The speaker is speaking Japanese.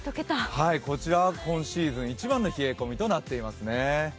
こちらは今シーズン一番の冷え込みとなっていますね。